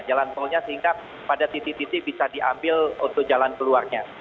jalan tolnya sehingga pada titik titik bisa diambil untuk jalan keluarnya